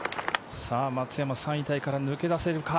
３位タイから抜け出せるか？